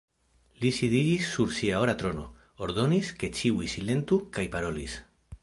Li sidiĝis sur sia ora trono, ordonis, ke ĉiuj silentu kaj parolis: